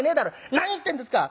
「何言ってんですか。